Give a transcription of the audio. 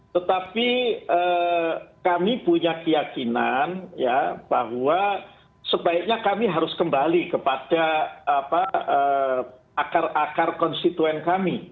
tetapi kami punya keyakinan bahwa sebaiknya kami harus kembali kepada akar akar konstituen kami